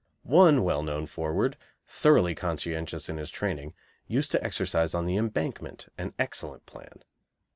One well known forward, thoroughly conscientious in his training, used to exercise on the Embankment, an excellent plan.